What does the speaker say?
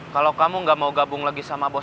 kalau kamu gak mau gabung lagi sama anak dua